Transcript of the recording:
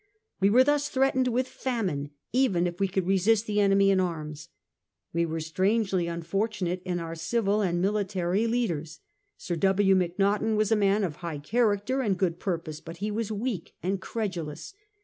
We were thus threatened with famine even if we could resist the enemy in arms. We were strangely un fortunate in our civil and military leaders. Sir W. Macnaghten was a man of high character and good purpose, but he was weak and credulous.